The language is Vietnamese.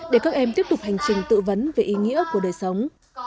để các em tiếp tục hành trình tự vấn về ý nghĩa của đời sống